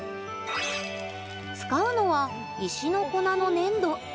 使うのは石の粉の粘土。